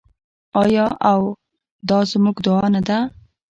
آیا او دا زموږ دعا نه ده؟